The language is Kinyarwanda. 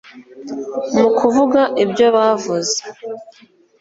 mu kuvuga ibyo bavuze